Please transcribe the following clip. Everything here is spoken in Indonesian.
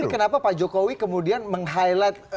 tapi kenapa pak jokowi kemudian meng highlight